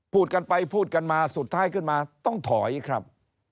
พูดกันไปพูดกันมาสุดท้ายขึ้นมาต้องถอยครับ